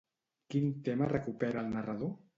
Quin tema recupera el narrador?